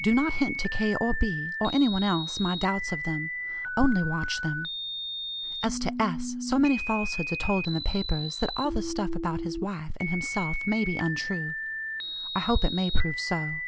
Do not hint to K. or B., or any one else, my doubts of them, only watch them. As to S. so many falsehoods are told in the papers that all the stuff about his wife and himself may be untrue. I hope it may prove so.